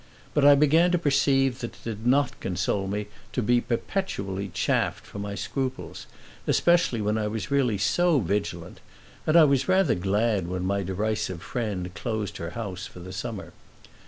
But I began to perceive that it did not console me to be perpetually chaffed for my scruples, especially when I was really so vigilant; and I was rather glad when my derisive friend closed her house for the summer.